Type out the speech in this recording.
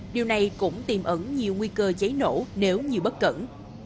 điều này cũng tìm ẩn nhiều nguy cơ cháy nổ nếu như bất cẩn